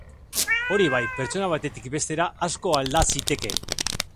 Hori bai, pertsona batetik bestera asko alda zitekeen.